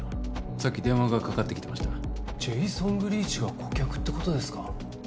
さっき電話がかかってきてましたジェイソン・グリーチが顧客ってことですか？